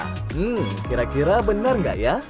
hmm kira kira benar nggak ya